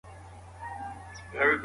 جوار په ژمي کي نه کرل کېږي.